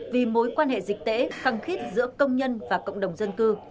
vì mối quan hệ dịch tễ khăng khít giữa công nhân và cộng đồng dân cư